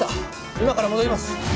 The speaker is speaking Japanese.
今から戻ります。